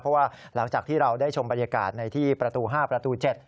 เพราะว่าหลังจากที่เราได้ชมบรรยากาศในที่ประตู๕ประตู๗